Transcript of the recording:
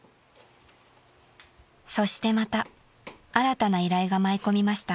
［そしてまた新たな依頼が舞い込みました］